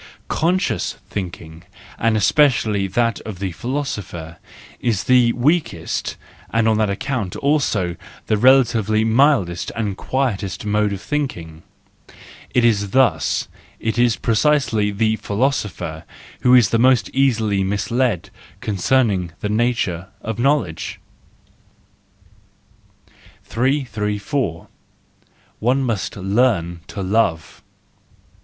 Conscious thinking, and especially that of the philosopher, is the weakest, and on that account also the relatively mildest and quietest mode of thinking: and thus it is precisely the philosopher who is most easily misled concerning the nature of knowledge. 334 One must Learn to Love.